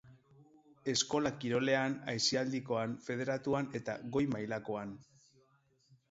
Eskola kirolean, aisialdikoan, federatuan eta goi-mailakoan.